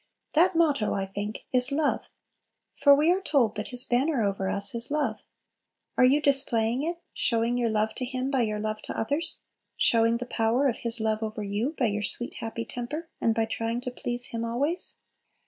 That motto, I think, is "Love." For we are told that His banner over us is love. Are you displaying it, showing your love to Him by your love to others? showing the power of His love over you by your sweet, happy temper, and by trying to please Him always?